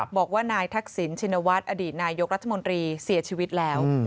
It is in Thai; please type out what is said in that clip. บอกว่านายทักษิณชินวัฒน์อดีตนายกรัฐมนตรีเสียชีวิตแล้ว